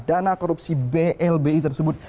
dana korupsi blbi tersebut